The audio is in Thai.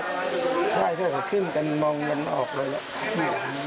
ใช่เขาก็ขึ้นกันมองกันออกเลย